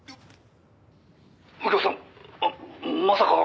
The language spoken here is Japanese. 「右京さんまさか」